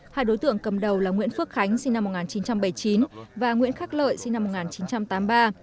hai đối tượng cầm đầu là nguyễn phước khánh sinh năm một nghìn chín trăm bảy mươi chín và nguyễn khắc lợi sinh năm một nghìn chín trăm tám mươi ba